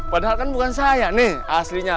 padahal kan bukan saya nih aslinya